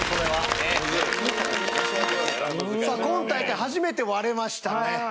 さあ今大会初めて割れましたね。